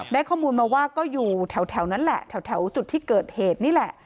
ข้อมูลมาว่าก็อยู่แถวนั้นแหละแถวจุดที่เกิดเหตุนี่แหละ